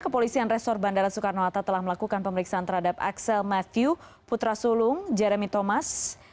kepolisian resor bandara soekarno hatta telah melakukan pemeriksaan terhadap axel matthew putra sulung jeremy thomas